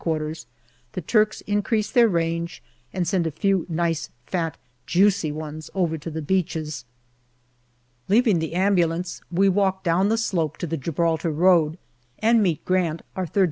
Q., the Turks increase their range and send a few nice fat, juicy ones over to the beaches. Leaving the ambulance, we walk down the slope to the Gibraltar road and meet Grant, our G.